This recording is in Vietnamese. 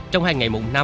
trong hai ngày mùng năm